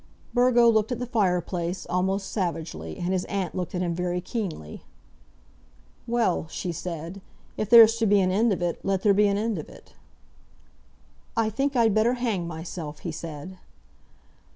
Burgo looked at the fireplace, almost savagely, and his aunt looked at him very keenly. "Well," she said, "if there's to be an end of it, let there be an end of it." "I think I'd better hang myself," he said.